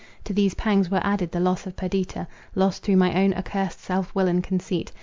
To these pangs were added the loss of Perdita, lost through my own accursed self will and conceit.